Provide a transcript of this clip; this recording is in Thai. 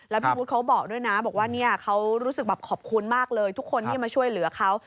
แล้วพี่วุฒิเขาบอกด้วยนะบอกว่าเนี่ยเขารู้สึกแบบขอบคุณมากเลยทุกคนที่มาช่วยเหลือเขา